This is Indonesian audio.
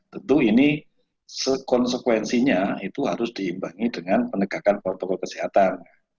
tentu ini konsekuensinya itu harus diimbangi dengan penegakan protokol kesehatan